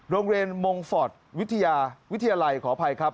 โรงเรียนมงฟอร์ตวิทยาวิทยาลัยขออภัยครับ